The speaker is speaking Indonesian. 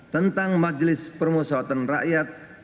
tentang majelis permusawatan rakyat